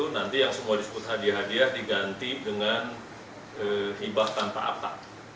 nanti yang semua disebut hadiah hadiah diganti dengan hibah tanpa akta